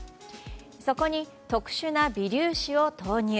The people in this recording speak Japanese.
そこに特殊な微粒子を投入。